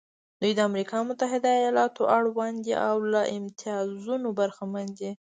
دوی د امریکا متحده ایالتونو اړوند دي او له امتیازونو برخمن دي.